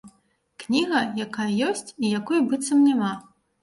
Кніга, якая ёсць і якой быццам няма.